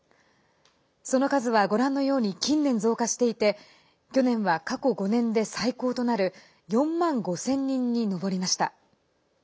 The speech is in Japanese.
その数はご覧のように近年増加していて去年は過去５年で最高となる４万５０００人に上りました。